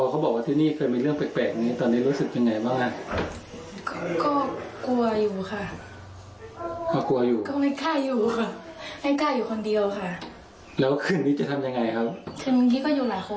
คืนนี้ก็อยู่หลายคนค่ะเมื่อคืนอยู่คนเดียวค่ะ